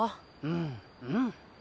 うんうん。